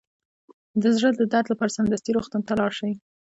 د زړه د درد لپاره سمدستي روغتون ته لاړ شئ